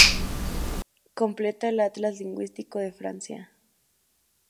Completa el Atlas lingüístico de Francia.